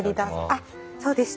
あっそうでした。